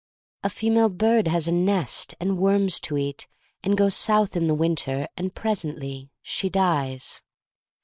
A female bird has a nest, and worms to eat, and goes south in the winter, and presently she dies.